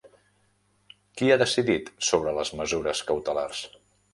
Qui ha decidit sobre les mesures cautelars?